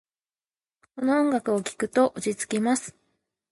この音楽を聴くと落ち着きます。